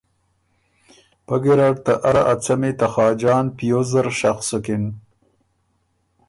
پۀ ګیرډ ته اره ا څمی ته خاجان پیوز زر شخ سُکِن